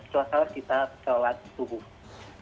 dan setelah sholat kita sholat subuh